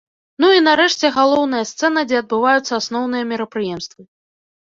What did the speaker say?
Ну і, нарэшце, галоўная сцэна, дзе адбываюцца асноўныя мерапрыемствы.